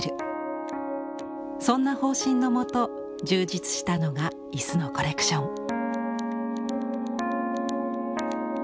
そんな方針のもと充実したのが椅子のコレクション。